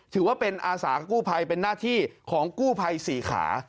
ถือว่าเป็นอาสากู้ภัยเป็นหน้าที่ของกู้ภัยสี่ขา